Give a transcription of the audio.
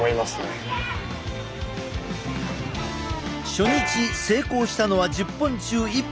初日成功したのは１０本中１本だけ。